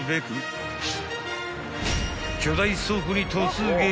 ［巨大倉庫に突撃］